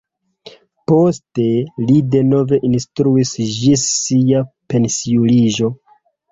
Poste li denove instruis ĝis sia pensiuliĝo.